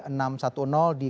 di kawasan perairan tanjung pakis